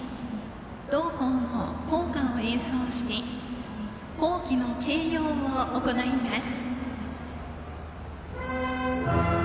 同校の校歌を演奏して校旗の掲揚を行います。